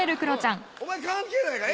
お前関係ないから！